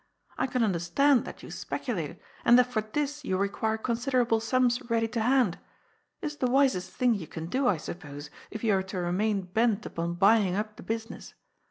I can under stand that you speculate, and that for this you require con siderable sums ready to hand. It is the wisest thing you can do, I suppose, if you are to remain bent upon buying up the business.